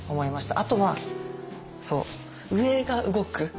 あとは上が動く。